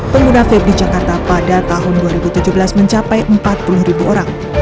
pengguna vape di jakarta pada tahun dua ribu tujuh belas mencapai empat puluh ribu orang